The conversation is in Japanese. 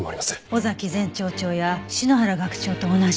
尾崎前町長や篠原学長と同じね。